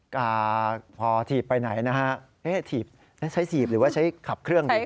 หากทีบไปไหนใช้ทีบหรือว่าใช้ขับเครื่องดี